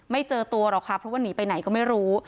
เจอตัวหรอกค่ะเพราะว่าหนีไปไหนก็ไม่รู้